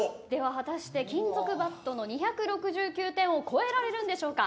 果たして金属バットの２６９点を超えられるんでしょうか。